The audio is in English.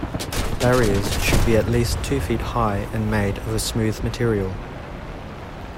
Barriers should be at least two feet high and made of a smooth material.